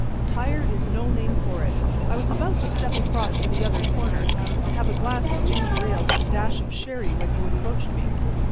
Tired is no name for it! I was about to step across to the other corner and have a glass of ginger ale with a dash of sherry when you approached me.